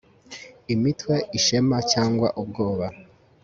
Imitwe ishema cyangwa ubwoba